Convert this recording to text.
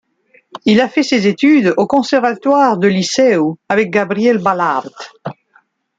Il a fait ses études au Conservatoire de Liceu avec Gabriel Balart.